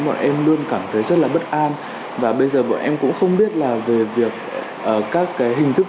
bọn em luôn cảm thấy rất là bất an và bây giờ bọn em cũng không biết là về việc các cái hình thức